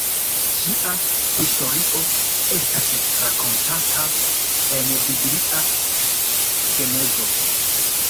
Ŝia historio estas rakontata en la biblia genezo.